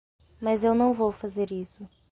Mas eu não vou fazer isso.